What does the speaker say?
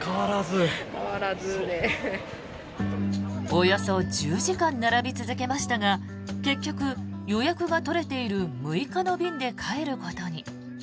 およそ１０時間並び続けましたが結局予約が取れている６日の便で帰ることに。